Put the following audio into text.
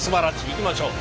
いきましょう。